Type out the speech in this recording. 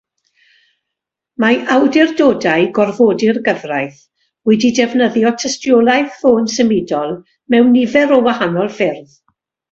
Mae awdurdodau gorfodi'r gyfraith wedi defnyddio tystiolaeth ffôn symudol mewn nifer o wahanol ffyrdd.